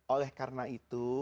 oleh karena itu